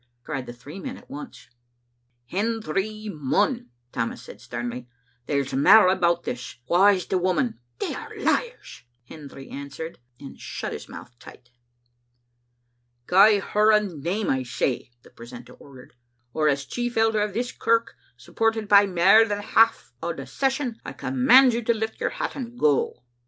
cried the three men at once. "Hendry Munn," Tammas said sternly, "there's mair about this; wha is the woman?" "They are liars," Hendry answered, and shut his mouth tight. "Gie her a name, I say," the precentor ordered, "or, as chief elder of this kirk, supported by mair than half o' the Session, I command you to lift your hat and go.